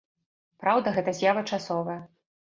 Праўда, гэта з'ява часовая.